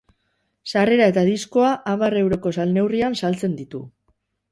Sarrera eta diskoa hamar euroko salneurrian saltzen ditu.